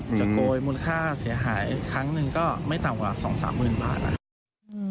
จะโกยมูลค่าเสียหายครั้งหนึ่งก็ไม่ต่ำกว่า๒๓หมื่นบาทนะครับ